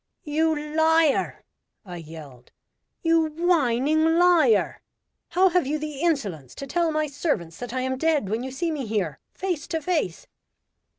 "You liar!" I yelled, "You whining liar! How have you the insolence to tell my servants that I am dead, when you see me here face to face